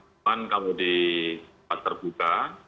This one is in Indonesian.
itu di tempat terbuka